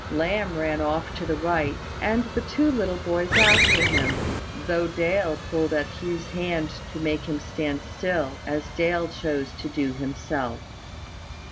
Lamb ran off to the right, and the two little boys after him, though Dale pulled at Hugh's hand to make him stand still, as Dale chose to do himself.